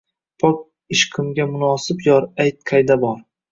Pok ishqimga munosib yor, ayt, qayda bor?!